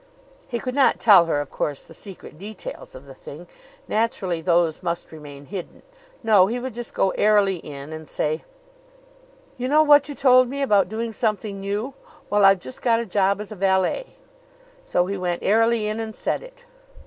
He could not tell her, of course, the secret details of the thing. Naturally those must remain hidden. No, he would just go airily in and say: "You know what you told me about doing something new? Well, I've just got a job as a valet." So he went airily in and said it.